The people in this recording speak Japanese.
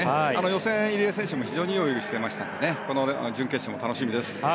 予選、入江選手も非常にいい泳ぎをしてましたのでこの準決勝も楽しみです。